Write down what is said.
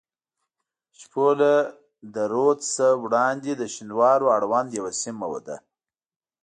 شپوله له رود نه وړاندې د شینوارو اړوند یوه سیمه ده.